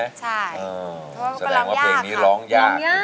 เพราะว่าก็ร้องยากค่ะเพราะว่าก็ร้องยากค่ะแสดงว่าเพลงนี้ร้องยาก